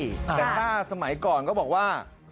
แต่ถ้าสมัยก่อนก็บอกว่า